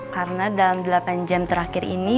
karena dalam delapan jam terakhir ini